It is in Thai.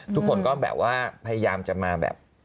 ทุกคนก็แบบว่าพยายามจะมาแบบ